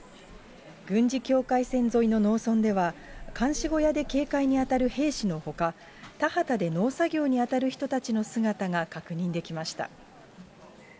軍事境界線沿いの農村では、監視小屋で警戒に当たる兵士のほか、田畑で農作業に当たる人たちの姿が確認できました。